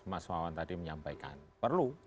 mas wawan tadi menyampaikan perlu